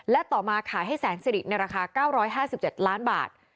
และต่อมาขายให้แสนสิริในราคา๙๕๗ล้านบาท